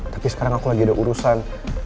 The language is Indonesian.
tapi sekarang aku lagi ada urusan